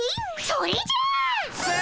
それじゃ！ス！